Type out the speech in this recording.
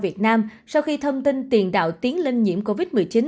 tại tp hcm sau khi thông tin tiền đạo tiến lên nhiễm covid một mươi chín